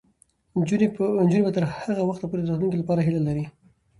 نجونې به تر هغه وخته پورې د راتلونکي لپاره هیله لري.